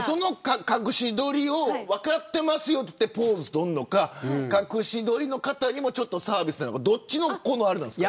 隠し撮りを分かっていますよとポーズをとるのか隠し撮りの方にもサービスなのかどっちの方ですか。